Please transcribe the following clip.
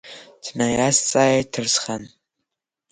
Днаиазҵааит Ҭарсхан.